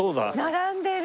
並んでる！